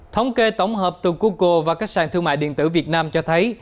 thống kê tổng hợp từ google và các sàn thương mại điện tử việt nam cho thấy